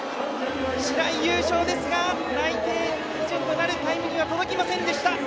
白井、優勝ですが内定基準となるタイムには届きませんでした。